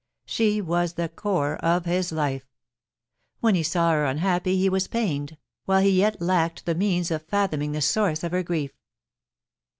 She was the core of his life. When he saw her unhappy he was pained, while he yet lacked the means of fathoming the source of her grief.